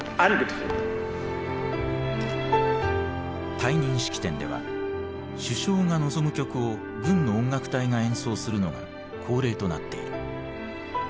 退任式典では首相が望む曲を軍の音楽隊が演奏するのが恒例となっている。